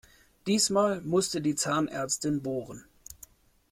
Diesmal musste die Zahnärztin bohren.